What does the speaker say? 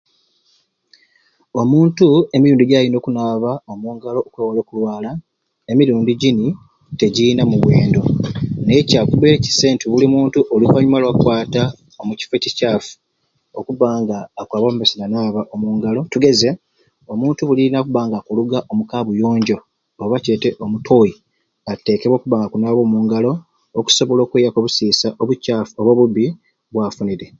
Omuntu emirundi gyalina okunaaba omungalo okwewala okulwala emirundi gyini tegiyina muwendo naye kyakubeire kisai nti buli muntu oluvanyuma lwakukwata omukifo ekikyafu okuba nga akwaba omu maiso nanaaba omungalo tugeze omuntu buli naba nga akuluga omukabuyonjo oba gyete ettoyi atekeibwe okuba nga akunaaba omungalo okusobola okweyaku obusiisa obukyafu oba obubi bwafunire